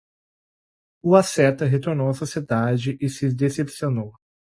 O asceta retornou à sociedade e se decepcionou